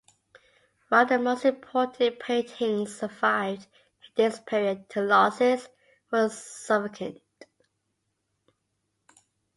While the most important paintings survived this period, the losses were significant.